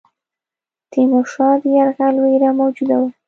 د تیمورشاه د یرغل وېره موجوده وه.